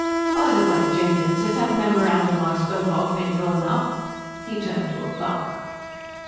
"By the way, Jenkins, has that memorandum I spoke of been drawn up?" he turned to a clerk.